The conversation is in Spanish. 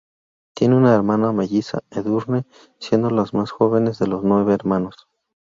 Tiene una hermana melliza, Edurne, siendo los más jóvenes de los nueve hermanos.